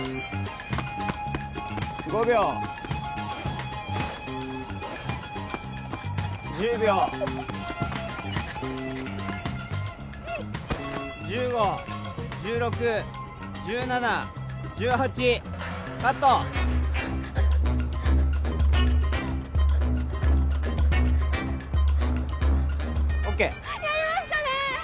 ５秒１０秒１５１６１７１８カットＯＫやりましたね！